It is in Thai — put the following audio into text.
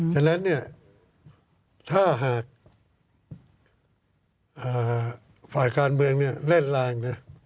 ฉะนั้นเนี่ยถ้าหากฝ่ายการเมืองเล่นร้าง